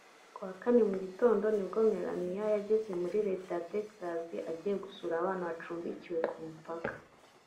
Ku wa Kane mu gitondo nibwo Melania yageze muri Leta ya Texas agiye gusura abana bacumbikiwe ku mupaka